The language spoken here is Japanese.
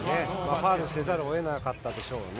ファウルせざるをえなかったでしょうね。